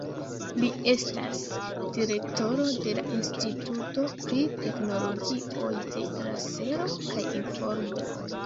Li estas direktoro de la Instituto pri Teknologioj de Lasero kaj Informo.